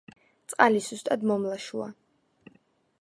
წყალი სუსტად მომლაშოა.